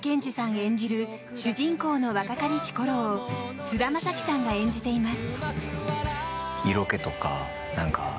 演じる主人公の若かりしころを菅田将暉さんが演じています。